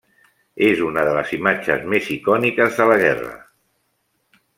És una de les imatges més icòniques de la guerra.